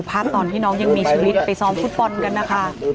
ตอนที่น้องยังมีชีวิตไปซ้อมฟุตบอลกันนะคะ